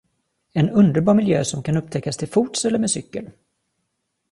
En underbar miljö som kan upptäckas till fots eller med cykel.